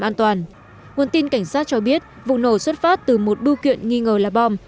an toàn nguồn tin cảnh sát cho biết vụ nổ xuất phát từ một bưu kiện nghi ngờ là bom